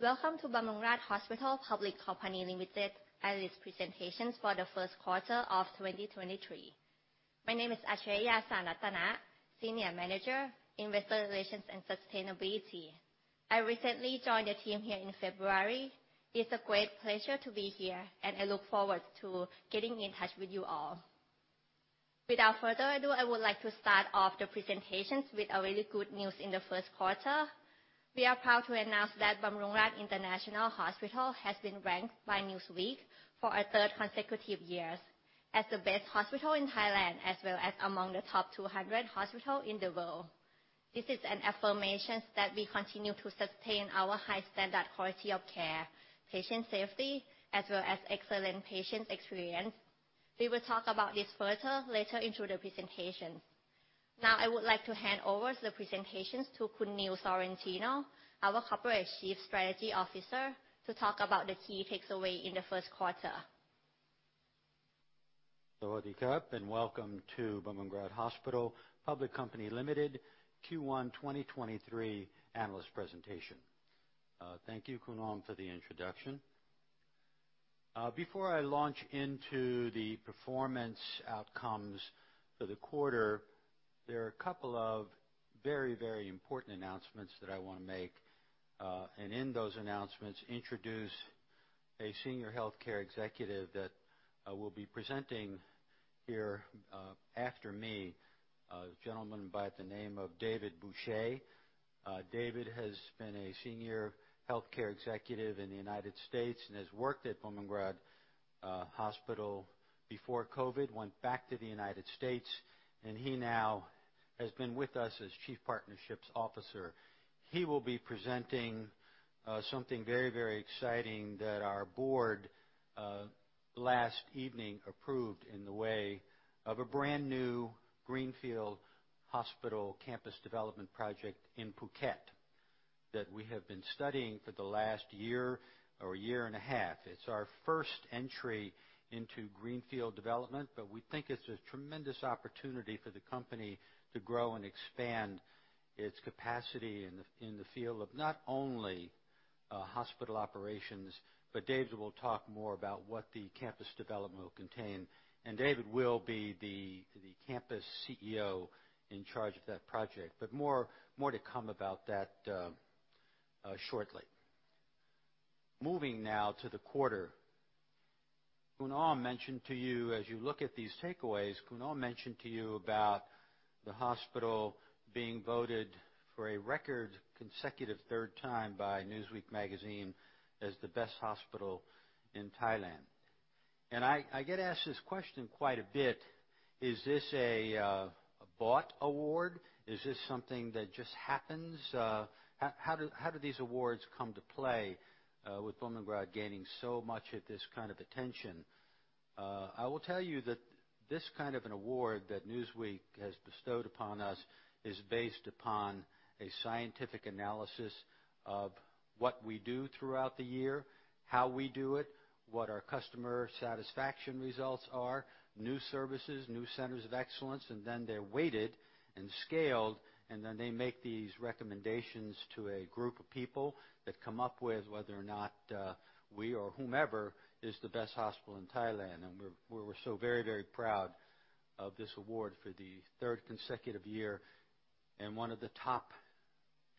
Welcome to Bumrungrad Hospital Public Company Limited analyst presentations for theQ1 of 2023. My name is Achiraya Sritratana, Senior Manager, Investor Relations and Sustainability. I recently joined the team here in February. It's a great pleasure to be here, and I look forward to getting in touch with you all. Without further ado, I would like to start off the presentations with a really good news in the first quarter. We are proud to announce that Bumrungrad International Hospital has been ranked by Newsweek for a third consecutive years as the best hospital in Thailand, as well as among the top 200 hospital in the world. This is an affirmation that we continue to sustain our high standard quality of care, patient safety, as well as excellent patient experience. We will talk about this further later into the presentation. I would like to hand over the presentations to Khun Neil Sorrentino, our Corporate Chief Strategy Officer, to talk about the key takeaways in the Q1. Welcome to Bumrungrad Hospital Public Company Limited Q1 2023 analyst presentation. Thank you, Khun Aom, for the introduction. Before I launch into the performance outcomes for the quarter, there are a couple of very, very important announcements that I wanna make. In those announcements, introduce a senior healthcare executive that will be presenting here after me. A gentleman by the name of David Boucher. David has been a senior healthcare executive in the United States and has worked at Bumrungrad Hospital before COVID, went back to the United States, and he now has been with us as Chief Partnerships Officer. He will be presenting something very, very exciting that our board last evening approved in the way of a brand-new greenfield hospital campus development project in Phuket that we have been studying for the last year or year and a half. It's our first entry into greenfield development, but we think it's a tremendous opportunity for the company to grow and expand its capacity in the field of not only hospital operations, but David will talk more about what the campus development will contain. David will be the campus CEO in charge of that project. More to come about that shortly. Moving now to the quarter, Khun Aom mentioned to you as you look at these takeaways, Khun Aom mentioned to you about the hospital being voted for a record consecutive third time by Newsweek magazine as the best hospital in Thailand. I get asked this question quite a bit, "Is this a bought award? Is this something that just happens?" How do these awards come to play with Bumrungrad gaining so much of this kind of attention? I will tell you that this kind of an award that Newsweek has bestowed upon us is based upon a scientific analysis of what we do throughout the year, how we do it, what our customer satisfaction results are, new services, new centers of excellence, and then they're weighted and scaled, and then they make these recommendations to a group of people that come up with whether or not we or whomever is the best hospital in Thailand. We're so very, very proud of this award for the third consecutive year. One of the top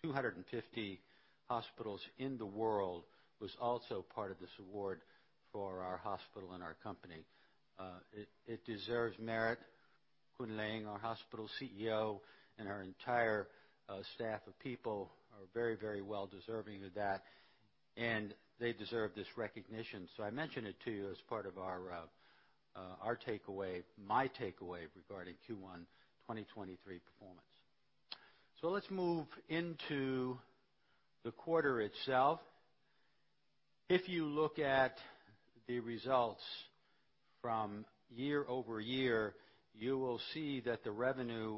250 hospitals in the world was also part of this award for our hospital and our company. It, it deserves merit. Khun Laing, our hospital CEO, and our entire staff of people are very, very well deserving of that, and they deserve this recognition. I mention it to you as part of our our takeaway, my takeaway regarding Q1 2023 performance. Let's move into the quarter itself. If you look at the results from year-over-year, you will see that the revenue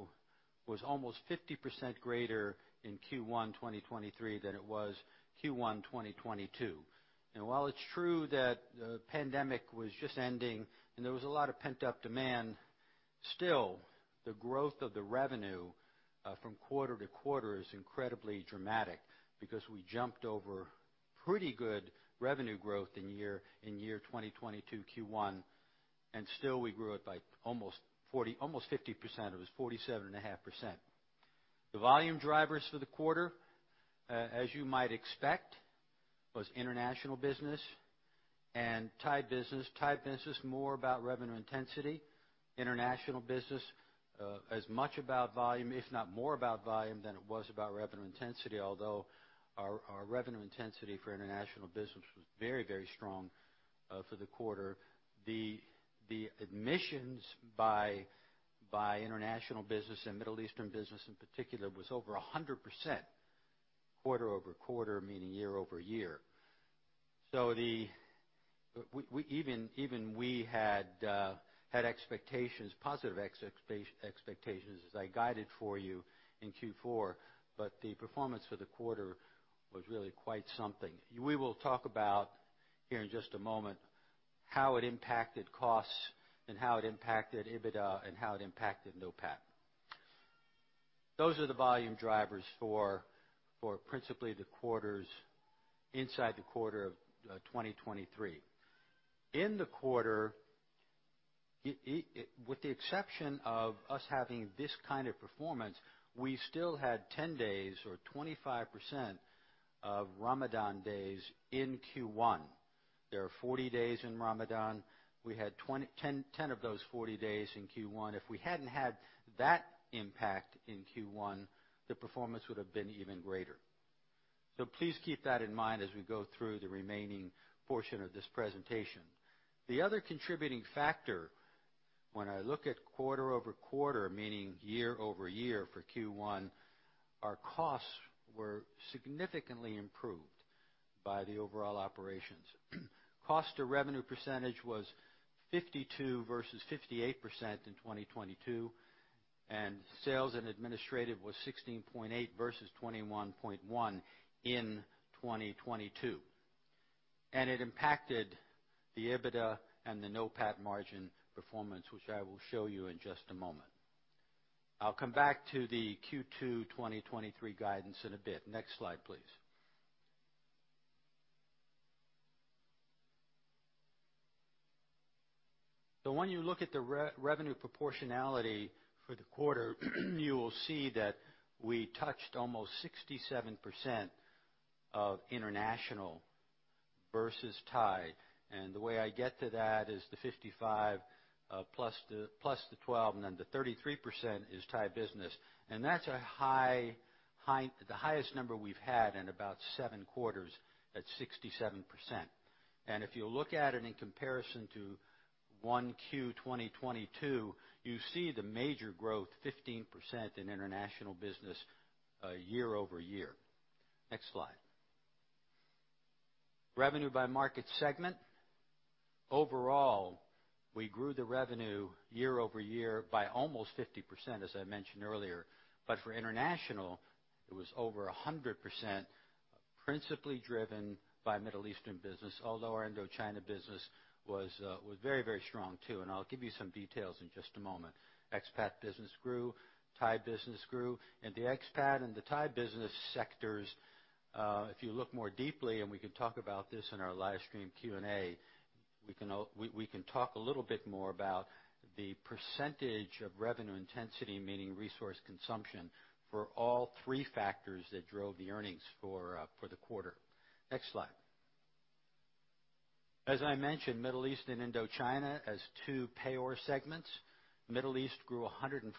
was almost 50% greater in Q1 2023 than it was Q1 2022. While it's true that the pandemic was just ending and there was a lot of pent-up demand, still the growth of the revenue from quarter-to-quarter is incredibly dramatic because we jumped over pretty good revenue growth in year 2022 Q1, and still we grew it by almost 40, almost 50%. It was 47.5%. The volume drivers for the quarter, as you might expect, was international business and Thai business. Thai business, more about revenue intensity. International business as much about volume, if not more about volume than it was about revenue intensity. Although our revenue intensity for international business was very, very strong for the quarter. The admissions by international business and Middle East business in particular was over 100% quarter-over-quarter, meaning year-over-year. We even we had had expectations, positive expectations as I guided for you in Q4. The performance for the quarter was really quite something. We will talk about here in just a moment how it impacted costs and how it impacted EBITDA and how it impacted NOPAT. Those are the volume drivers for principally the quarters inside the quarter of 2023. In the quarter, it with the exception of us having this kind of performance, we still had 10 days or 25% of Ramadan days in Q1. There are 40 days in Ramadan. We had 10 of those 40 days in Q1. If we hadn't had that impact in Q1, the performance would have been even greater. Please keep that in mind as we go through the remaining portion of this presentation. The other contributing factor when I look at quarter-over-quarter, meaning year-over-year for Q1, our costs were significantly improved by the overall operations. Cost to revenue percentage was 52% versus 58% in 2022, and sales and administrative was 16.8 versus 21.1 in 2022. It impacted the EBITDA and the NOPAT margin performance, which I will show you in just a moment. I'll come back to the Q2 2023 guidance in a bit. Next slide, please. When you look at the re-revenue proportionality for the quarter, you will see that we touched almost 67% of international versus Thai. The way I get to that is the 55 plus the 12, then the 33% is Thai business. That's the highest number we've had in about seven quarters at 67%. If you look at it in comparison to 1Q 2022, you see the major growth, 15% in international business year-over-year. Next slide. Revenue by market segment. Overall, we grew the revenue year-over-year by almost 50%, as I mentioned earlier. For international, it was over 100%, principally driven by Middle Eastern business, although our Indochina business was very strong too, and I'll give you some details in just a moment. Ex-pat business grew, Thai business grew. The ex-pat and the Thai business sectors, if you look more deeply, and we can talk about this in our live stream Q&A, we can talk a little bit more about the % of revenue intensity, meaning resource consumption, for all three factors that drove the earnings for the quarter. Next slide. As I mentioned, Middle East and Indochina as two payor segments. Middle East grew 147%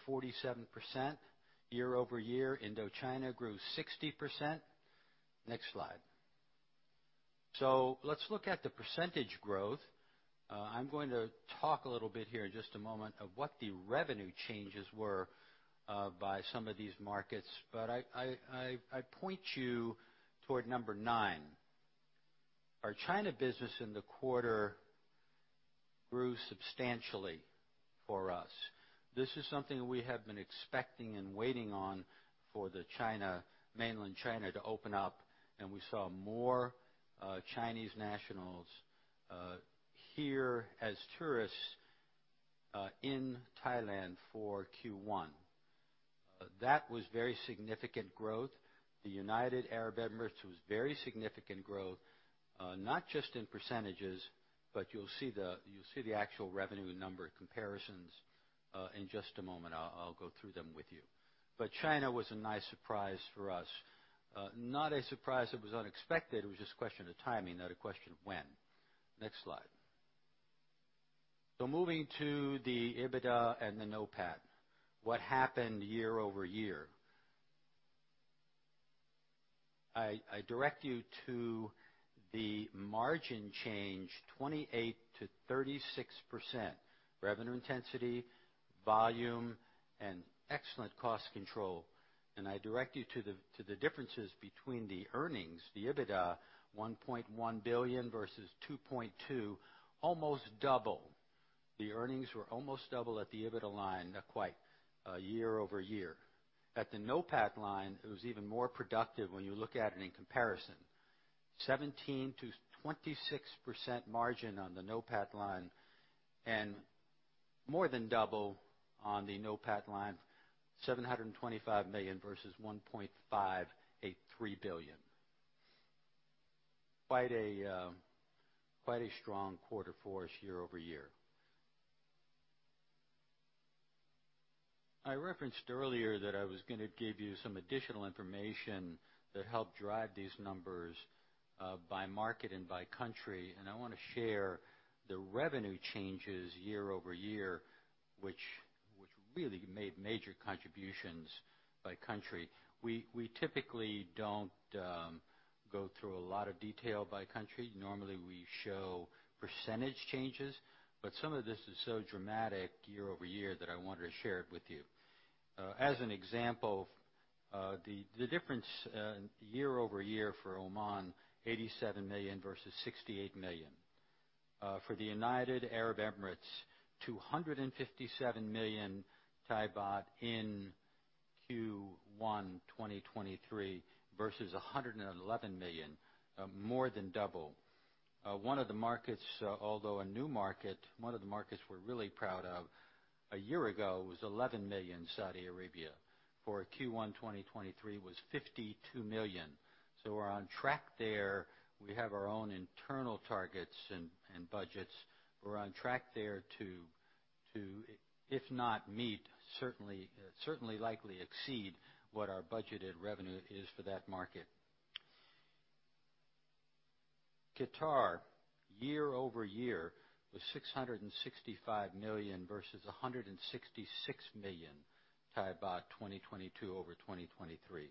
year-over-year. Indochina grew 60%. Next slide. Let's look at the % growth. I'm going to talk a little bit here in just a moment of what the revenue changes were by some of these markets. I point you toward number nine. Our China business in the quarter grew substantially for us. This is something we have been expecting and waiting on for the China, mainland China to open up, and we saw more Chinese nationals here as tourists in Thailand for Q1. That was very significant growth. The United Arab Emirates was very significant growth, not just in percentages, but you'll see the actual revenue number comparisons in just a moment. I'll go through them with you. China was a nice surprise for us. Not a surprise that was unexpected. It was just a question of timing, not a question of when. Next slide. Moving to the EBITDA and the NOPAT. What happened year-over-year? I direct you to the margin change, 28%-36%. Revenue intensity, volume, and excellent cost control. I direct you to the differences between the earnings, the EBITDA, 1.1 billion versus 2.2 billion, almost double. The earnings were almost double at the EBITDA line, not quite, year-over-year. At the NOPAT line, it was even more productive when you look at it in comparison. 17%-26% margin on the NOPAT line and more than double on the NOPAT line, 725 million versus 1.583 billion. Quite a strong quarter for us year-over-year. I referenced earlier that I was gonna give you some additional information that helped drive these numbers by market and by country. I wanna share the revenue changes year-over-year, which really made major contributions by country. We typically don't go through a lot of detail by country. Normally, we show percentage changes, some of this is so dramatic year-over-year that I wanted to share it with you. As an example, the difference year-over-year for Oman, 87 million versus 68 million. For the United Arab Emirates, 257 million baht in Q1 2023 versus 111 million, more than double. One of the markets, although a new market, one of the markets we're really proud of a year ago was 11 million Saudi Arabia. Q1 2023 was 52 million. We're on track there. We have our own internal targets and budgets. We're on track there to, if not meet, certainly likely exceed what our budgeted revenue is for that market. Qatar, year-over-year, was 665 million versus 166 million 2022 over 2023.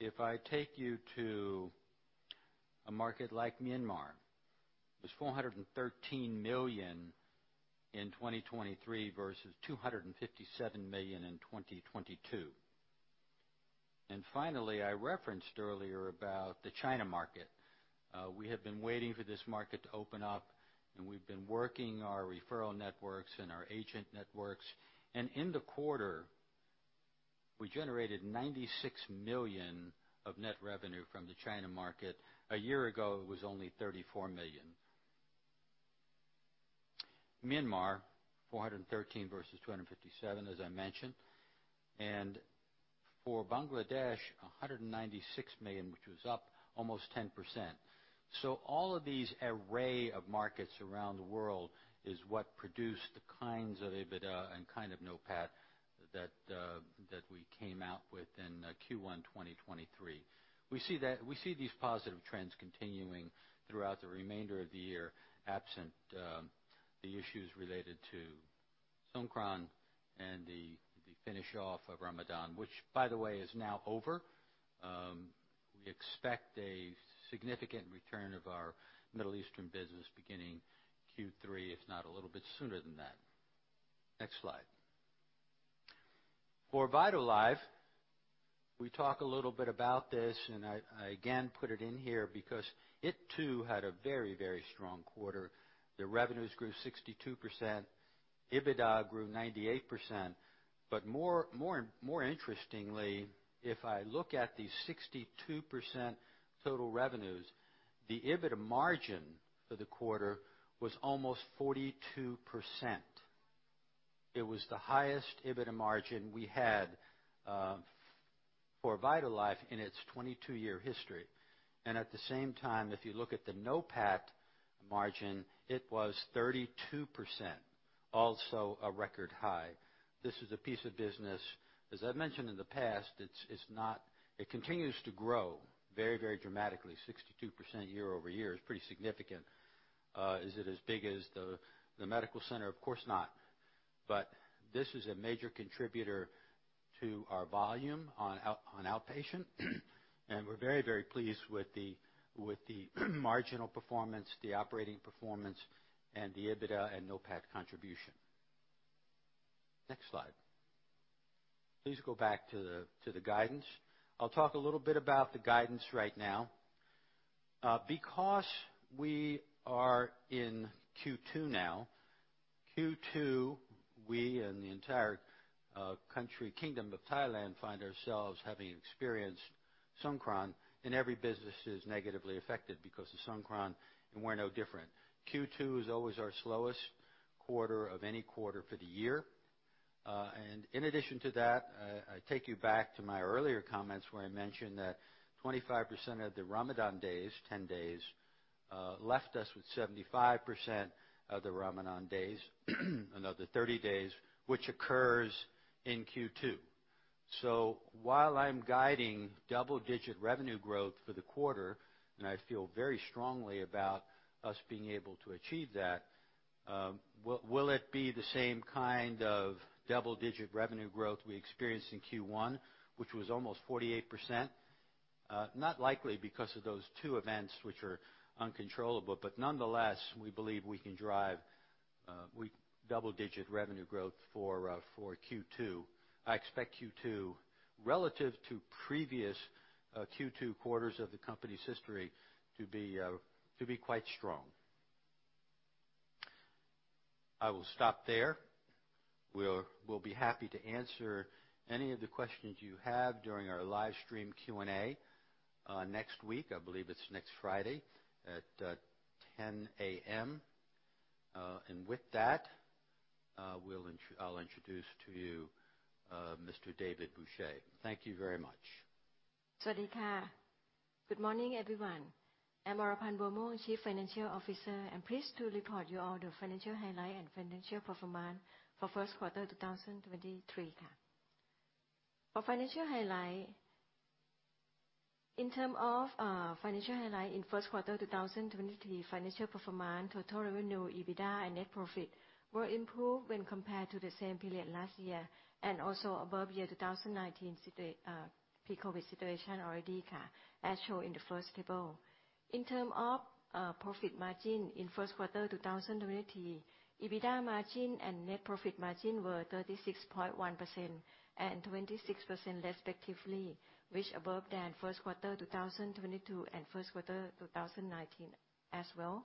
If I take you to a market like Myanmar, it was 413 million in 2023 versus 257 million in 2022. Finally, I referenced earlier about the China market. We have been waiting for this market to open up, and we've been working our referral networks and our agent networks. In the quarter, we generated 96 million of net revenue from the China market. A year ago, it was only 34 million. Myanmar, 413 versus 257, as I mentioned. For Bangladesh, 196 million, which was up almost 10%. All of these array of markets around the world is what produced the kinds of EBITDA and kind of NOPAT that we came out with in Q1 2023. We see these positive trends continuing throughout the remainder of the year, absent the issues related to Songkran and the finish off of Ramadan, which by the way is now over. We expect a significant return of our Middle Eastern business beginning Q3, if not a little bit sooner than that. Next slide. For VitalLife, we talk a little bit about this, and I again put it in here because it too had a very, very strong quarter. The revenues grew 62%. EBITDA grew 98%. More interestingly, if I look at the 62% total revenues, the EBITDA margin for the quarter was almost 42%. It was the highest EBITDA margin we had for VitalLife in its 22-year history. At the same time, if you look at the NOPAT margin, it was 32%, also a record high. This is a piece of business, as I've mentioned in the past, it continues to grow very, very dramatically. 62% year-over-year is pretty significant. Is it as big as the medical center? Of course not. This is a major contributor to our volume on outpatient, and we're very, very pleased with the marginal performance, the operating performance, and the EBITDA and NOPAT contribution. Next slide. Please go back to the guidance. I'll talk a little bit about the guidance right now. Because we are in Q2 now, Q2, we and the entire country Kingdom of Thailand find ourselves having experienced Songkran, and every business is negatively affected because of Songkran, and we're no different. Q2 is always our slowest quarter of any quarter for the year. In addition to that, I take you back to my earlier comments where I mentioned that 25% of the Ramadan days, 10 days, left us with 75% of the Ramadan days, another 30 days, which occurs in Q2. While I'm guiding double-digit revenue growth for the quarter, and I feel very strongly about us being able to achieve that, will it be the same kind of double-digit revenue growth we experienced in Q1, which was almost 48%? Not likely because of those two events which are uncontrollable. Nonetheless, we believe we can drive double-digit revenue growth for Q2. I expect Q2 relative to previous Q2 quarters of the company's history to be quite strong. I will stop there. We'll be happy to answer any of the questions you have during our live stream Q&A next week. I believe it's next Friday at 10:00 A.M. With that, I'll introduce to you Mr. David Boucher. Thank you very much. Good morning, everyone. I'm Oraphan Buamuang, Chief Financial Officer. I'm pleased to report you all the financial highlight and financial performance for 1st quarter 2023. For financial highlight, in terms of financial highlight in Q1 2023, financial performance, total revenue, EBITDA, and net profit were improved when compared to the same period last year and also above year 2019 pre-COVID situation already, as shown in the first table. In terms of profit margin in Q1 2023, EBITDA margin and net profit margin were 36.1% and 26% respectively, which above than Q1 2022 and 1st quarter 2019 as well.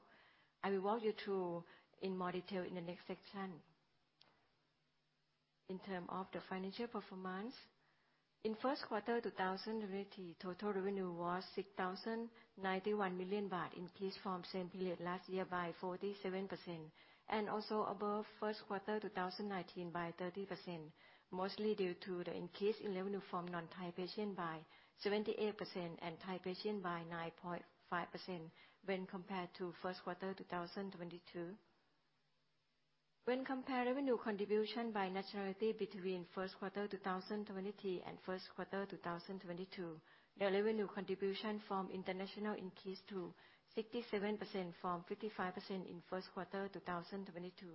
I will walk you through in more detail in the next section. In terms of the financial performance, in first quarter 2020, total revenue was 6,091 million baht increased from same period last year by 47%, and also above Q1 2019 by 30%. Mostly due to the increase in revenue from non-Thai patient by 78% and Thai patient by 9.5% when compared to Q1 2022. When compare revenue contribution by nationality between Q1 2023 and Q1 2022, the revenue contribution from international increased to 67% from 55% in Q1 2022.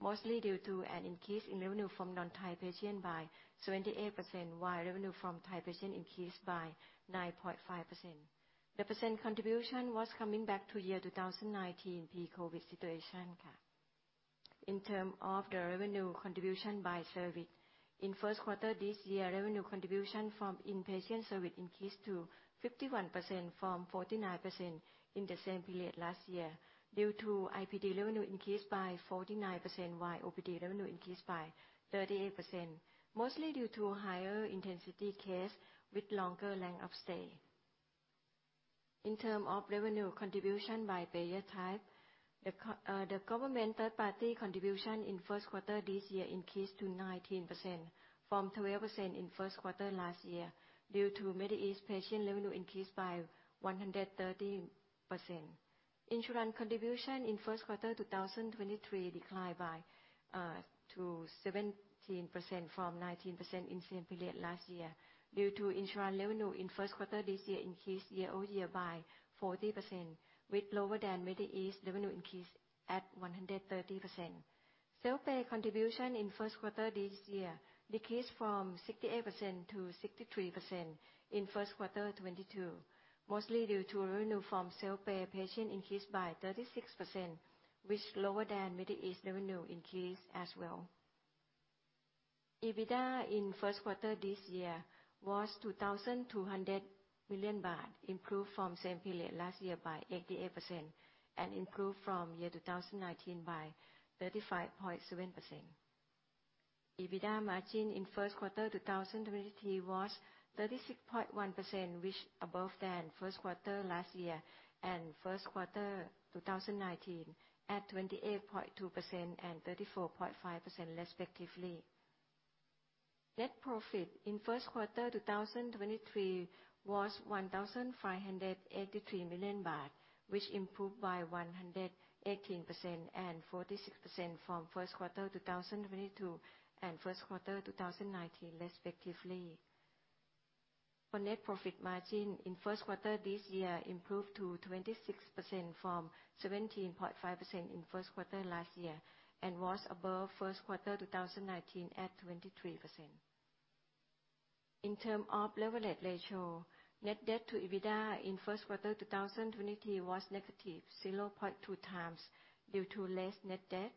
Mostly due to an increase in revenue from non-Thai patient by 28%, while revenue from Thai patient increased by 9.5%. The % contribution was coming back to year 2019 pre-COVID situation, ka. In term of the revenue contribution by service. In Q1 this year, revenue contribution from inpatient service increased to 51% from 49% in the same period last year due to IPD revenue increased by 49% while OPD revenue increased by 38%, mostly due to higher intensity case with longer length of stay. In term of revenue contribution by payer type, the government third party contribution in Q1 this year increased to 19% from 12% in Q1 last year due to Middle East patient revenue increased by 130%. Insurance contribution in Q1 2023 declined to 17% from 19% in same period last year due to insurance revenue in Q1 this year increased year-over-year by 40% with lower than Middle East revenue increase at 130%. Self-pay contribution in Q1 this year decreased from 68% to 63% in Q1 2022, mostly due to revenue from self-pay patient increased by 36%, which lower than Middle East revenue increase as well. EBITDA in Q1 this year was 2,200 million baht, improved from same period last year by 88% and improved from year 2019 by 35.7%. EBITDA margin in Q1 2023 was 36.1%, which above than Q1 last year and Q1 2019 at 28.2% and 34.5% respectively. Net profit in Q1 2023 was 1,583 million baht, which improved by 118% and 46% from Q1 2022 and Q1 2019 respectively. Net profit margin in Q1 this year improved to 26% from 17.5% in Q1 last year and was above Q1 2019 at 23%. In term of leverage ratio, net debt to EBITDA in Q1 2023 was -0.2 x due to less net debt.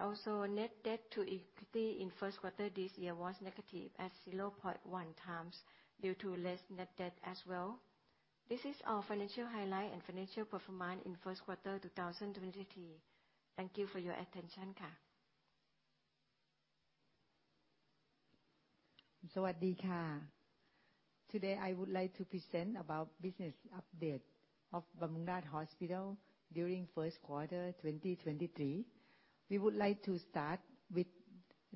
Also net debt to equity in Q1 this year was negative at 0.1x due to less net debt as well. This is our financial highlight and financial performance in Q1 2023. Thank you for your attention, ka. Today, I would like to present about business update of Bumrungrad Hospital during Q1 2023. We would like to start with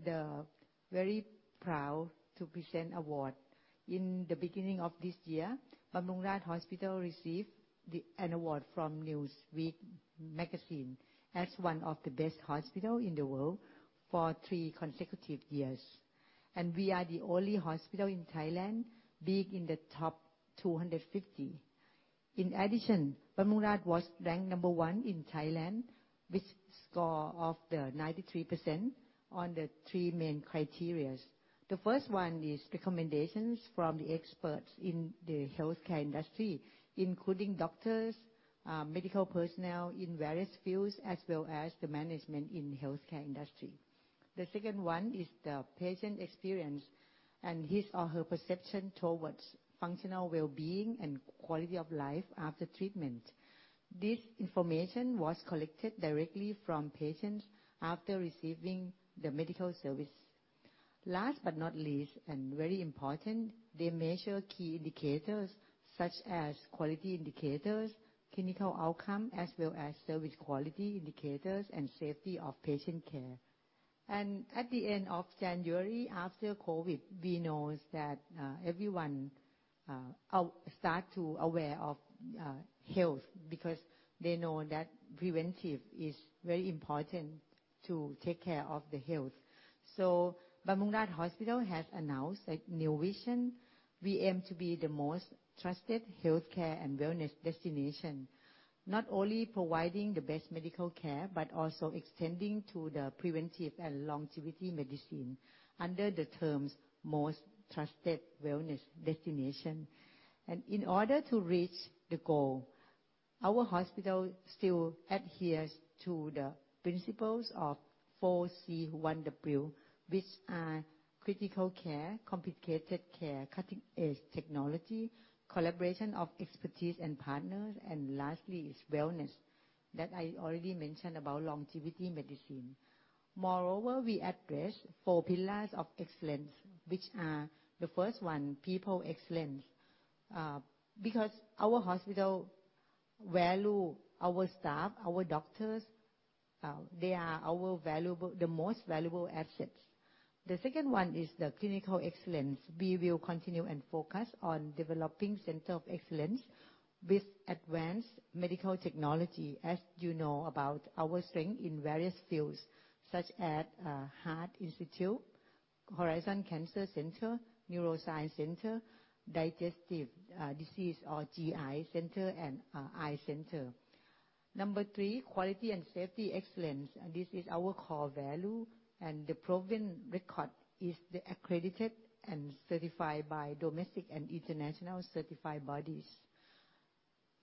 the very proud to present award. In the beginning of this year, Bumrungrad Hospital received an award from Newsweek Magazine as one of the best hospital in the world for three consecutive years. We are the only hospital in Thailand being in the top 250. In addition, Bumrungrad was ranked number one in Thailand with score of the 93% on the three main criteria. The first one is recommendations from the experts in the healthcare industry, including doctors, medical personnel in various fields, as well as the management in healthcare industry. The second one is the patient experience and his or her perception towards functional well-being and quality of life after treatment. This information was collected directly from patients after receiving the medical service. Last but not least, and very important, they measure key indicators such as quality indicators, clinical outcome, as well as service quality indicators and safety of patient care. At the end of January, after COVID, we know that everyone are start to aware of health because they know that preventive is very important to take care of the health. Bumrungrad Hospital has announced a new vision. We aim to be the most trusted healthcare and wellness destination, not only providing the best medical care, but also extending to the preventive and longevity medicine under the terms Most Trusted Wellness Destination. In order to reach the goal, our hospital still adheres to the principles of 4C1W, which are critical care, complicated care, cutting-edge technology, collaboration of expertise and partners, and lastly is wellness that I already mentioned about longevity medicine. Moreover, we address four pillars of excellence, which are the first one, people excellence. Because our hospital value our staff, our doctors, they are our most valuable assets. The second one is the clinical excellence. We will continue and focus on developing center of excellence with advanced medical technology, as you know about our strength in various fields, such as, Heart Institute, Horizon Cancer Center, Neuroscience Center, Digestive Disease Center or GI center, and Eye Center. Number three, quality and safety excellence. This is our core value, and the proven record is the accredited and certified by domestic and international certified bodies.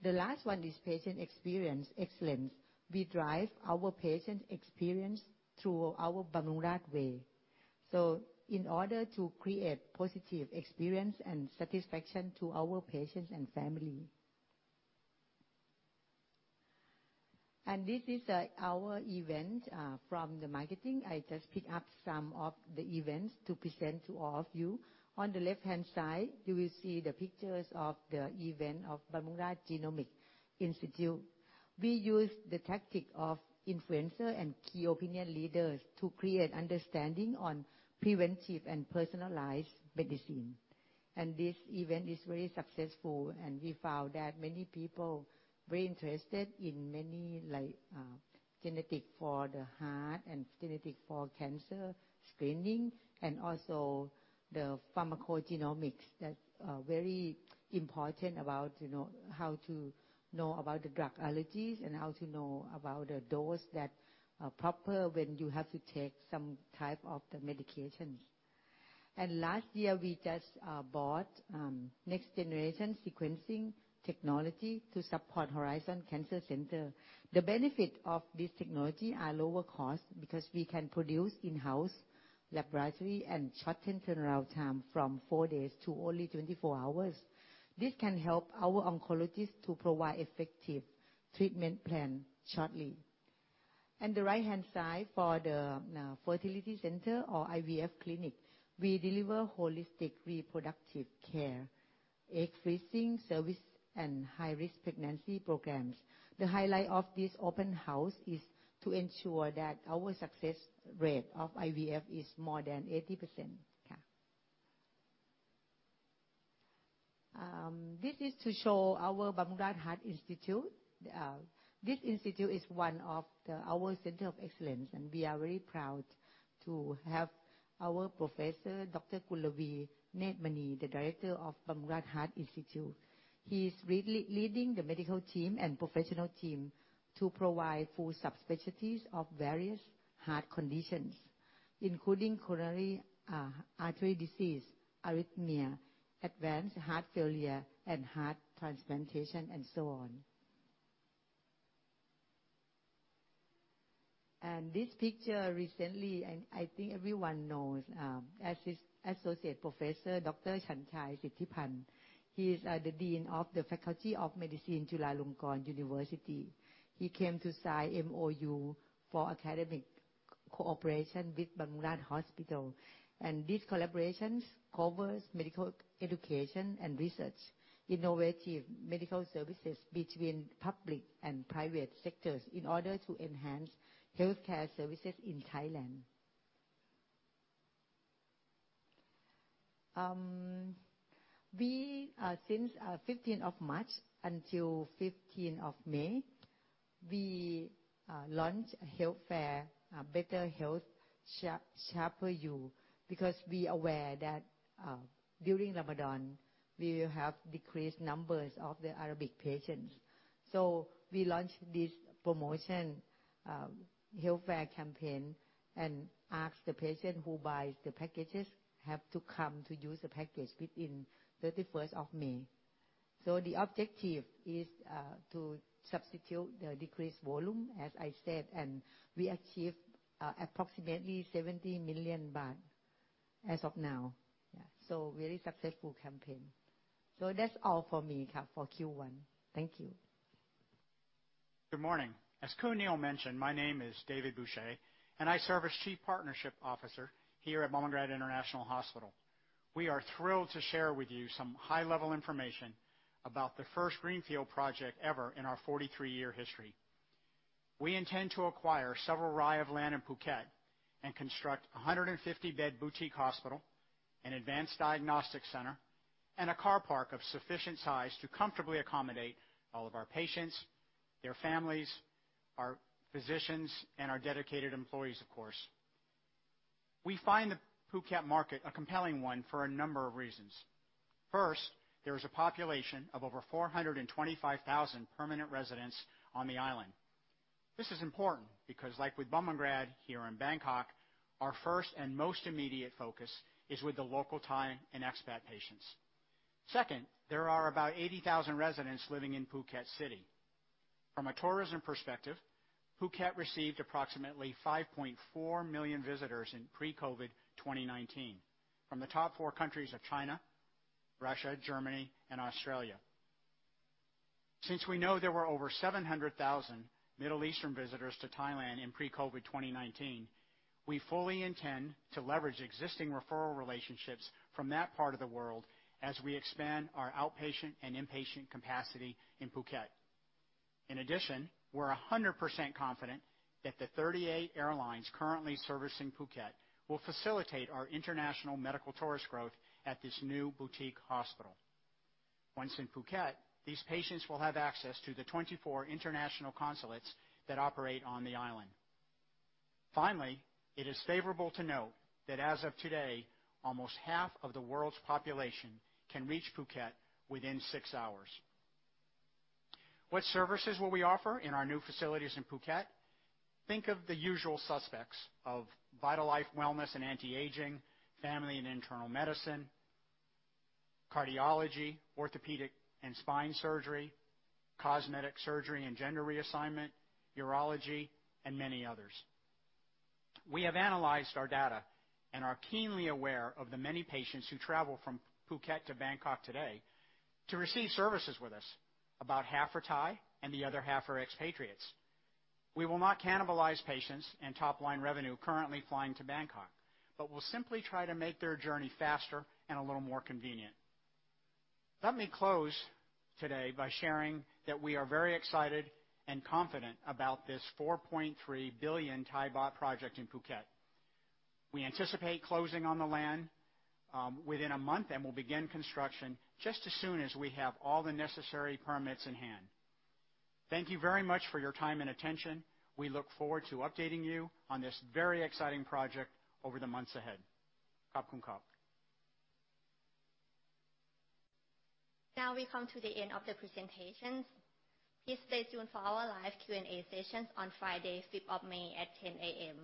The last one is patient experience excellence. We drive our patient experience through our Bumrungrad Way. In order to create positive experience and satisfaction to our patients and family. This is our event from the marketing. I just pick up some of the events to present to all of you. On the left-hand side, you will see the pictures of the event of Bumrungrad Genomic Institute. We use the tactic of influencer and key opinion leaders to create understanding on preventive and personalized medicine. This event is very successful, and we found that many people very interested in many like, genetic for the heart and genetic for cancer screening and also the pharmacogenomics that very important about to know how to know about the drug allergies and how to know about the dose that proper when you have to take some type of the medication. Last year, we just bought next-generation sequencing technology to support Horizon Cancer Center. The benefit of this technology are lower cost because we can produce in-house laboratory and shorten turnaround time from four days to only 24 hours. This can help our oncologist to provide effective treatment plan shortly. On the right-hand side for the fertility center or IVF clinic, we deliver holistic reproductive care, egg freezing service and high-risk pregnancy programs. The highlight of this open house is to ensure that our success rate of IVF is more than 80%. Yeah. This is to show our Bumrungrad Heart Institute. This institute is one of our center of excellence, and we are very proud to have our Professor Dr. Koonlawe Nademanee, the director of Bumrungrad Heart Institute. He is leading the medical team and professional team to provide full subspecialties of various heart conditions, including coronary artery disease, arrhythmia, advanced heart failure and heart transplantation and so on. This picture recently, and I think everyone knows, Associate Professor Dr. Chanchai Sittipunt. He is the Dean of the Faculty of Medicine, Chulalongkorn University. He came to sign MOU for academic cooperation with Bumrungrad Hospital. These collaborations covers medical education and research, innovative medical services between public and private sectors in order to enhance healthcare services in Thailand. We since 15th of March until 15th of May, we launched a health fair, Better Health Sharper You, because we are aware that during Ramadan we will have decreased numbers of the Arabic patients. We launched this promotion health fair campaign and asked the patient who buys the packages have to come to use the package within 31st of May. The objective is to substitute the decreased volume, as I said, and we achieve approximately 70 million baht as of now. Yeah, very successful campaign. That's all for me, ka, for Q1. Thank you. Good morning. As Khun Neil mentioned, my name is David Boucher, and I serve as Chief Partnerships Officer here at Bumrungrad International Hospital. We are thrilled to share with you some high-level information about the first greenfield project ever in our 43-year history. We intend to acquire several rai of land in Phuket and construct a 150-bed boutique hospital, an advanced diagnostic center, and a car park of sufficient size to comfortably accommodate all of our patients, their families, our physicians, and our dedicated employees, of course. We find the Phuket market a compelling one for a number of reasons. First, there is a population of over 425,000 permanent residents on the island. This is important because like with Bumrungrad here in Bangkok, our first and most immediate focus is with the local Thai and expat patients. Second, there are about 80,000 residents living in Phuket City. From a tourism perspective, Phuket received approximately 5.4 million visitors in pre-COVID 2019 from the top four countries of China, Russia, Germany and Australia. Since we know there were over 700,000 Middle Eastern visitors to Thailand in pre-COVID 2019, we fully intend to leverage existing referral relationships from that part of the world as we expand our outpatient and inpatient capacity in Phuket. In addition, we're 100% confident that the 38 airlines currently servicing Phuket will facilitate our international medical tourist growth at this new boutique hospital. Once in Phuket, these patients will have access to the 24 international consulates that operate on the island. Finally, it is favorable to note that as of today, almost half of the world's population can reach Phuket within six hours. What services will we offer in our new facilities in Phuket? Think of the usual suspects of VitalLife wellness and anti-aging, family and internal medicine, cardiology, orthopedic and spine surgery, cosmetic surgery and gender reassignment, urology, and many others. We have analyzed our data and are keenly aware of the many patients who travel from Phuket to Bangkok today to receive services with us. About half are Thai and the other half are expatriates. We will not cannibalize patients and top-line revenue currently flying to Bangkok, but we'll simply try to make their journey faster and a little more convenient. Let me close today by sharing that we are very excited and confident about this 4.3 billion project in Phuket. We anticipate closing on the land, within a month. We'll begin construction just as soon as we have all the necessary permits in hand. Thank you very much for your time and attention. We look forward to updating you on this very exciting project over the months ahead. Now we come to the end of the presentation. Please stay tuned for our live Q&A sessions on Friday, fifth of May at 10 A.M.,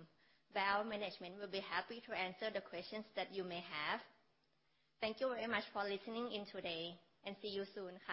where our management will be happy to answer the questions that you may have. Thank you very much for listening in today, and see you soon. Bye.